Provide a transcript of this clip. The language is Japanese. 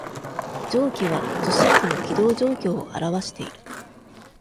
上記は、受信機の起動状況を表している。